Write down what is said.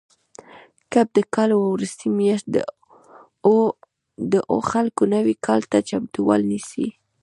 کب د کال وروستۍ میاشت ده او خلک نوي کال ته چمتووالی نیسي.